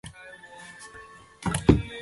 思茅叉蕨为叉蕨科叉蕨属下的一个种。